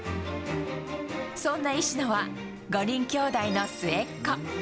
そんな石野は、５人きょうだいの末っ子。